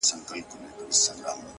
• ستا د سونډو د خندا په خاليگاه كـي؛